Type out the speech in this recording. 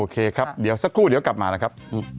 ครับเดี๋ยวสักครู่เดี๋ยวกลับมานะครับ